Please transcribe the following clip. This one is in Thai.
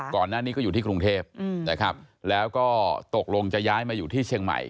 ก่อนหน้านี้ก็อยู่ที่กรุงเทพนะครับแล้วก็ตกลงจะย้ายมาอยู่ที่เชียงใหม่